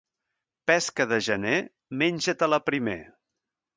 Pesca de gener, menja-te-la primer.